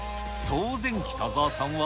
当然、北澤さんは。